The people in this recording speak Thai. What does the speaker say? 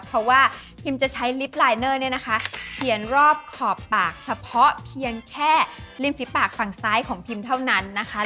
เพราะว่าพิมจะใช้ลิฟต์ลายเนอร์เนี่ยนะคะเขียนรอบขอบปากเฉพาะเพียงแค่ริมฝีปากฝั่งซ้ายของพิมเท่านั้นนะคะ